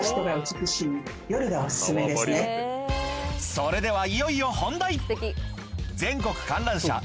それではいよいよ本題！